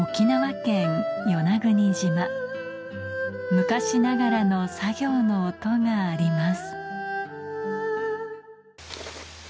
昔ながらの作業の音があります